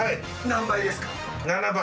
何倍ですか？